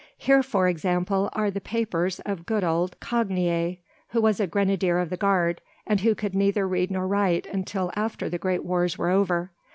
Here, for example, are the papers of good old Cogniet, who was a grenadier of the Guard, and could neither read nor write until after the great wars were over.